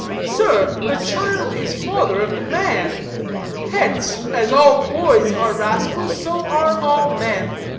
Sir, 'the child is father of the man;' hence, as all boys are rascals, so are all men.